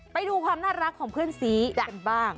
ไปดูความน่ารักของเพื่อนสีกันบ้าง